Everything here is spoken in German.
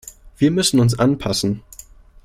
Wir müssen uns anpassen.